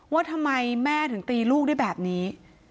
ว่าทำไมแม่ถึงตีลูกได้แบบนี้